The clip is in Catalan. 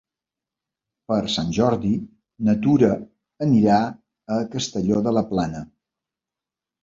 Per Sant Jordi na Tura anirà a Castelló de la Plana.